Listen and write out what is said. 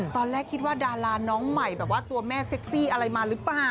ตอนแรกคิดว่าดาราน้องใหม่แบบว่าตัวแม่เซ็กซี่อะไรมาหรือเปล่า